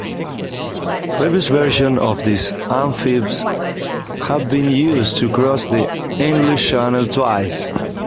Previous versions of these Amphibs have been used to cross the English Channel twice.